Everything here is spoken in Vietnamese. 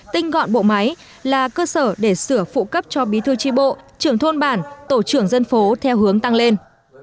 tinh gọn bộ máy là cơ sở để sửa phụ cấp cho bí thư tri bộ trưởng thôn bản tổ trưởng dân phố theo hướng tăng lên